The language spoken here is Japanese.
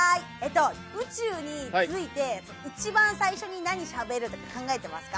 宇宙に着いて、一番最初に何しゃべるとか考えてますか？